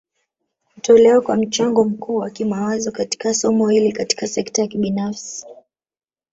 Hutolewa kwa mchango mkuu wa kimawazo katika somo hili Katika sekta ya kibinafsi